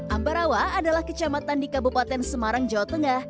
ambarawa adalah kecamatan di kabupaten semarang jawa tengah